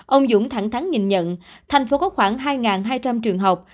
ông dũng thẳng thắng nhìn nhận thành phố có khoảng hai hai trăm linh trường học